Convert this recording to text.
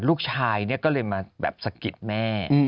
ลูกชายเนี่ยก็เลยมาแบบสะกิดแม่